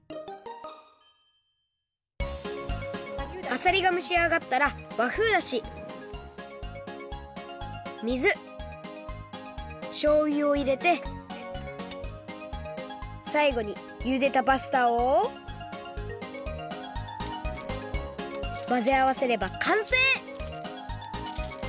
あさりがむしあがったらわふうだし水しょうゆをいれてさいごにゆでたパスタをまぜあわせればかんせい！